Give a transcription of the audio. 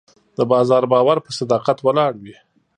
د بازار باور په صداقت ولاړ وي.